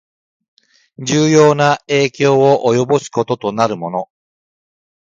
重要な影響を及ぼすこととなるもの